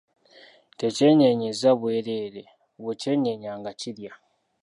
Tekyenyeenyeza bweereere, bwe kyenyeenya nga kirya.